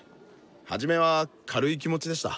初めは軽い気持ちでした。